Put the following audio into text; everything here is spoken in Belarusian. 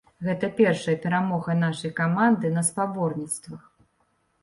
Гэта першая перамога нашай каманды на спаборніцтвах.